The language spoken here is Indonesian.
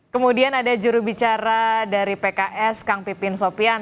kemudian ada jurubicara dari pks kang pipin sopian